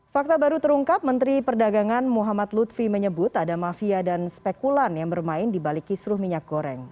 fakta baru terungkap menteri perdagangan muhammad lutfi menyebut ada mafia dan spekulan yang bermain di balik kisruh minyak goreng